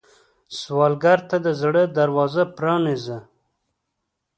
سوالګر ته د زړه دروازه پرانیزه